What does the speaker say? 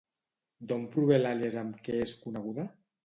D'on prové l'àlies amb què és coneguda?